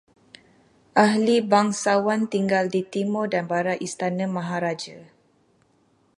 Ahli bangsawan tinggal di timur dan barat istana maharaja